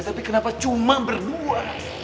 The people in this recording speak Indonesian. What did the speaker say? tapi kenapa cuma berdua